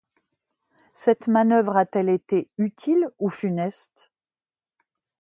Cette manœuvre a-t-elle été utile ou funeste ?